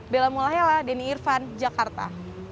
bella mulahela denny irvan jakarta